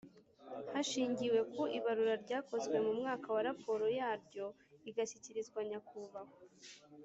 Hashingiwe ku ibarura ryakozwe mu mwaka wa raporo yaryo igashyikirizwa Nyakubahwa